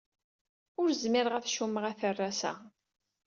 Ur zmireɣ ad cummeɣ aterras-a.